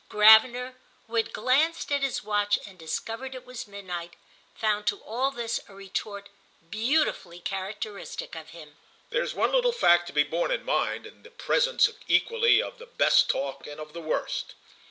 Gravener, who had glanced at his watch and discovered it was midnight, found to all this a retort beautifully characteristic of him. "There's one little fact to be borne in mind in the presence equally of the best talk and of the worst."